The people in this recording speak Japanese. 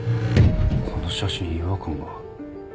この写真違和感が。